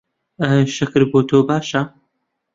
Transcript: ئایا شەکر بۆ تۆ باشە؟